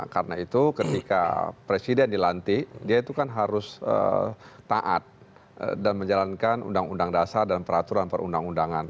karena itu ketika presiden dilantik dia itu kan harus taat dan menjalankan undang undang dasar dan peraturan perundang undangan